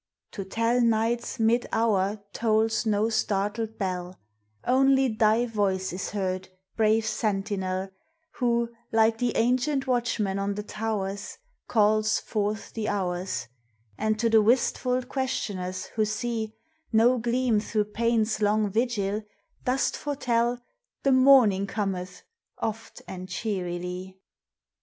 To tell night's mid hour tolls no startled bell; Only thy voice is heard, brave sentinel, Who, like the ancient watchman on the towers, Calls forth the hours, And to the wistful questioners, who see No gleam through pain's long vigil, dost foretell "The morning cometh," oft and cheerily.